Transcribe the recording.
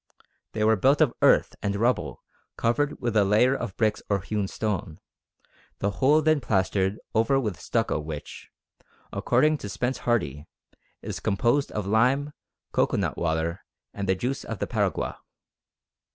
They were built of earth and rubble covered with a layer of bricks or hewn stone, the whole then plastered over with stucco which, according to Spence Hardy, is composed of lime, cocoanut water, and the juice of the paragua.